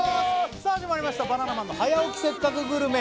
さあ始まりました「バナナマンの早起きせっかくグルメ！！」